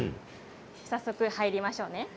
早速入りましょうね。